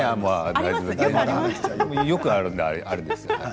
よくあるんでね。